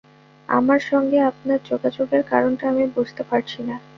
আমার সঙ্গে আপনার যোগাযোগের কারণটা আমি বুঝতে পারছি না।